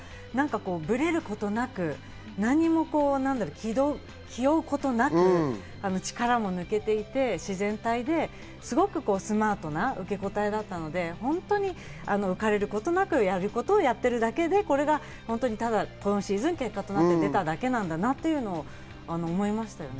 ブレることなく、何も気負うことなく力も抜けていて、自然体で、すごくスマートな受け答えだったので本当に浮かれることなく、やれることをやっているだけでそれが今シーズン結果に出ただけなんだなというのを思いましたね。